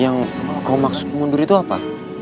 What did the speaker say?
yang kau maksud mundur itu apa